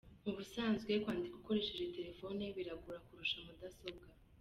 Mu busanzwe kwandika ukoresheje telefoni biragora kurusha mudasobwa.